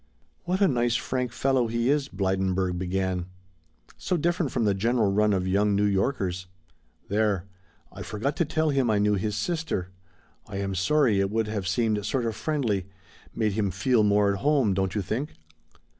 "What a nice, frank fellow he is," Blydenburg began; "so different from the general run of young New Yorkers. There, I forgot to tell him I knew his sister; I am sorry, it would have seemed sort of friendly, made him feel more at home, don't you think?